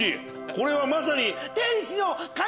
これはまさに。